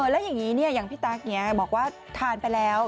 แล้วอย่างนี้อย่างพี่ตั๊กบอกว่าทานไปแล้ว